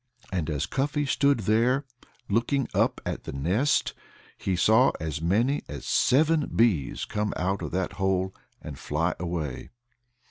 And as Cuffy stood there, looking up at the nest, he saw as many as seven bees come out of that hole and fly away.